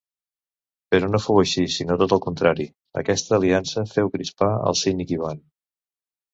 Però no fou així, sinó tot al contrari; aquesta aliança féu crispar el cínic Ivan.